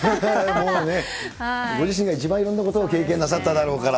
もうね、ご自身が一番いろんなことを経験なさっただろうから。